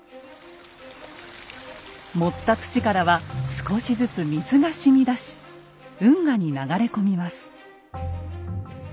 盛った土からは少しずつ水がしみ出し運河に流れ込みます。